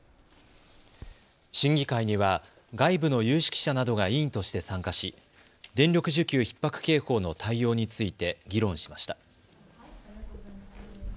審議会には外部の有識者などが委員として参加し電力需給ひっ迫警報の対応について議論しました。